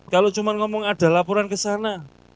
kalau cuma ngomong ada laporan ke sana